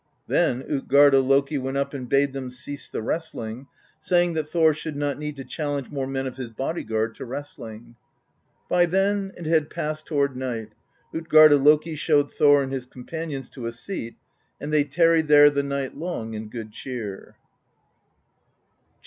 Then Utgarda Loki went up and bade them cease the wrestling, saying that Thor should not need to challenge more men of his body guard to wrest ling. By then it had passed toward night; Utgarda Loki showed Thor and his companions to a seat, and they tar ried there the night long in good cheer. XLVII.